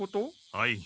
はい。